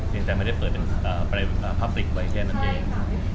ก็ไม่ได้เปิดเปรยุกภาพฟับริกไว้แค่นั้นเอง